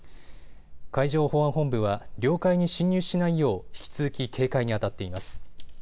海上保安本部は領海に侵入しないよう引き続き警戒にあたっています。